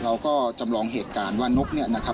เราก็จำลองเหตุการณ์ว่านก